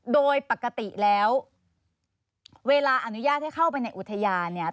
โดยปกติแล้วเวลาอนุญาตให้เข้าไปในอุทยานเนี่ย